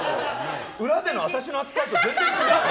裏での私の扱いと全然違う。